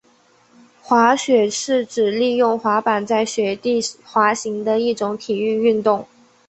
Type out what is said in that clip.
滑雪是指利用滑雪板在雪地滑行的一种体育运动。